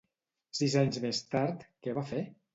Sis anys més tard, què va fer?